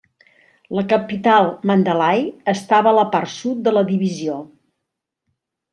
La capital Mandalay estava a la part sud de la divisió.